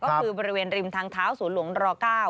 ก็คือบริเวณริมทางเท้าสวนหลวงร๙